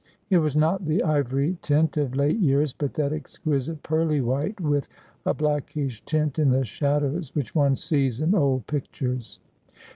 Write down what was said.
It was not the ivory tint of late years, but that exquisite pearly white, with a blackish tint in the shadows, which one sees in old pictures.